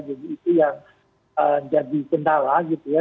jadi itu yang jadi kendala gitu ya